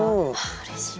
うれしい。